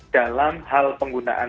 dalam hal penggunaan